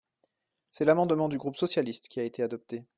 C’est l’amendement du groupe socialiste qui a été adopté.